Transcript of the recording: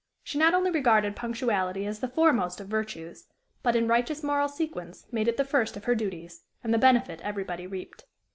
She not only regarded punctuality as the foremost of virtues, but, in righteous moral sequence, made it the first of her duties; and the benefit everybody reaped.